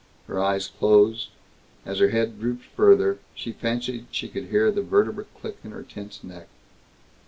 Her eyes closed; as her head drooped farther, she fancied she could hear the vertebrae click in her tense neck.